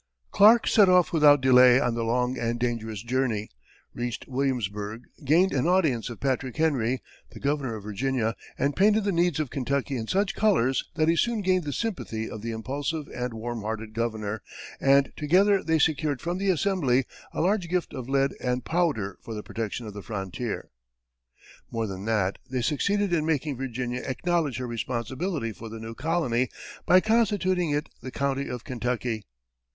Clark set off without delay on the long and dangerous journey, reached Williamsburg, gained an audience of Patrick Henry, the governor of Virginia, and painted the needs of Kentucky in such colors that he soon gained the sympathy of the impulsive and warm hearted governor, and together they secured from the Assembly a large gift of lead and powder for the protection of the frontier. More than that, they succeeded in making Virginia acknowledge her responsibility for the new colony by constituting it the county of Kentucky.